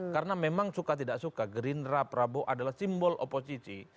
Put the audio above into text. karena memang suka tidak suka gerindra prabowo adalah simbol oposisi